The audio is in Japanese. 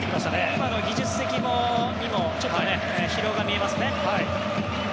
今の技術的にもちょっと疲労が見えますね。